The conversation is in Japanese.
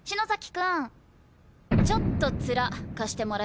くんちょっとツラ貸してもらえる？